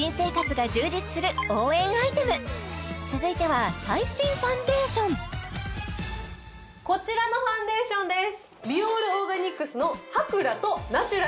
続いては最新ファンデーションこちらのファンデーションです